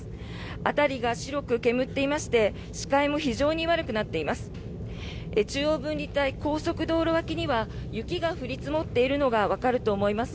辺りが白く煙っていまして視界も非常に悪くなっています。